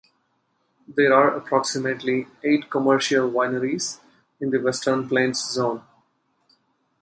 There are approximately eight commercial wineries in the Western Plains zone.